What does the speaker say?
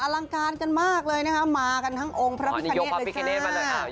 ลังการกันมากเลยนะคะมากันทั้งองค์พระพิคเนตเลยจ้า